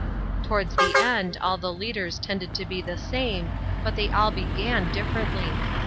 Towards the end all the leaders tended to be the same, but they all began differently.